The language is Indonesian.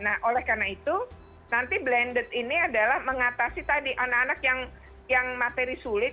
nah oleh karena itu nanti blended ini adalah mengatasi tadi anak anak yang materi sulit